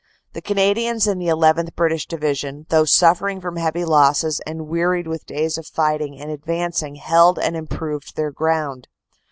The Canadians and the llth. British Division, though suffering from heavy losses and wearied with days of fighting and advancing, held and im proved their ground.